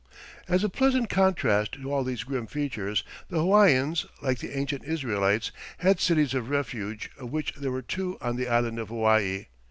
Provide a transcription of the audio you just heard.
As a pleasant contrast to all these grim features, the Hawaiians, like the ancient Israelites, had cities of refuge, of which there were two on the island of Hawaii.